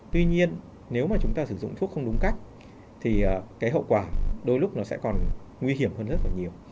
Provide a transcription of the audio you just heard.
tuy nhiên nếu mà chúng ta sử dụng thuốc không đúng cách thì cái hậu quả đôi lúc nó sẽ còn nguy hiểm hơn rất là nhiều